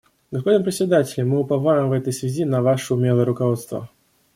Господин Председатель, мы уповаем в этой связи на ваше умелое руководство.